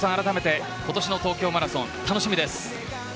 今年の東京マラソン楽しみです。